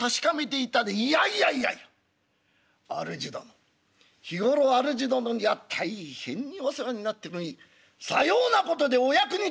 「いやいやいやいやあるじ殿日頃あるじ殿には大変にお世話になってるにさようなことでお役に立てれば！